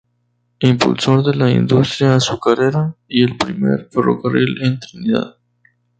Impulsor de la industria azucarera y del primer ferrocarril en Trinidad.